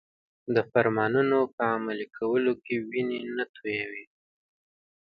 د فرمانونو په عملي کولو کې وینې نه تویوي.